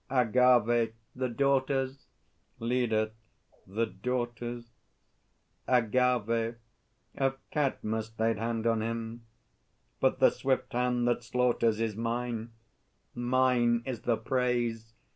AGAVE. The daughters. .. LEADER. The daughters? AGAVE. Of Cadmus laid hand on him. But the swift hand that slaughters Is mine; mine is the praise!